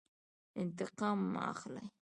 انتقام مه اخلئ